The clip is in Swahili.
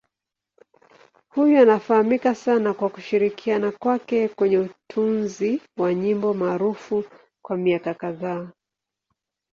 Huyu anafahamika sana kwa kushirikiana kwake kwenye utunzi wa nyimbo maarufu kwa miaka kadhaa.